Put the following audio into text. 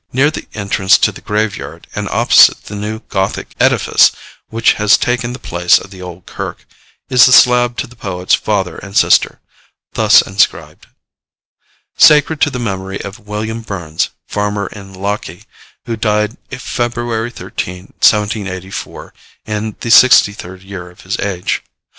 Near the entrance to the graveyard, and opposite the new gothic edifice which has taken the place of the old kirk, is the slab to the poet's father and sister, thus inscribed: 'Sacred to the memory of WILLIAM BURNS, farmer in Lochie, who died February 13, 1784, in the 63d year of his age.